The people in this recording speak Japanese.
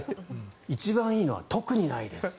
一番いいのは、特にないです。